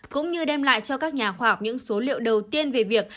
cũng như đem lại cho các nhà khoa học những số liệu đầu tiên về việc